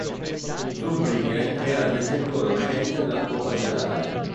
Zurbriggen era il detentore uscente della Coppa generale.